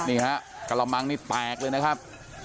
นี่ฮะกระมังนี่แตกเลยนะครับ